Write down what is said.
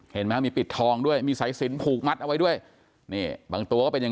เห็นไหมมีปิดทองด้วยมีสายสินผูกมัดเอาไว้ด้วยนี่บางตัวก็เป็นอย่าง